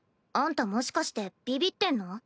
あんたもしかしてビビってんの？